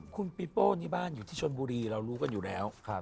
คุณปีโป้นี่บ้านอยู่ที่ชนบุรีเรารู้กันอยู่แล้ว